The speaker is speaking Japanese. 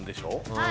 はい。